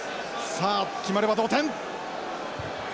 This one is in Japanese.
さあ決まれば同点！